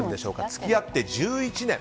付き合って１１年。